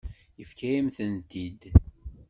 Yefka-yam-tent-id.